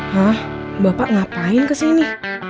hah bapak ngapain kesini